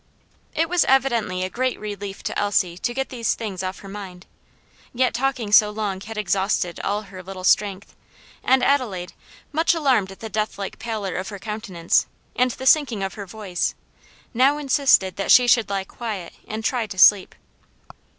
It was evidently a great relief to Elsie to get these things off her mind, yet talking so long had exhausted all her little strength, and Adelaide, much alarmed at the death like pallor of her countenance, and the sinking of her voice, now insisted that she should lie quiet and try to sleep.